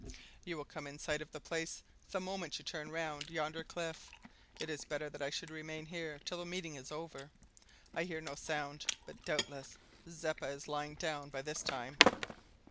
"You will come in sight of the place the moment you turn round yonder cliff. It is better that I should remain here till the meeting is over. I hear no sound, but doubtless Zeppa is lying down by this time."